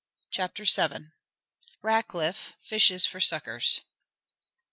CHAPTER VII. RACKLIFF FISHES FOR SUCKERS.